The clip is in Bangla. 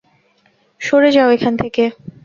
সরে যাও এখান থেকে।